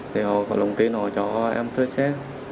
thì họ có lòng tin họ cho em thuê xe